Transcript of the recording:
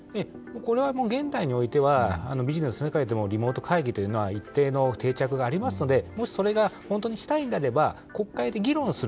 これは現代においてはビジネスの世界でもリモート会議というのは一定の定着がありますのでもしそれを本当にしたいのであれば国会で議論する。